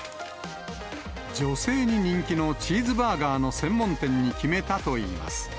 女性に人気のチーズバーガーの専門店に決めたといいます。